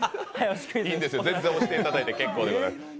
いいんですよ、全然押していただいて結構でございます。